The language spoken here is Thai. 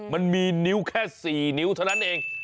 มันมีนิ้วแค่๔นิ้วเท่านั้นเอง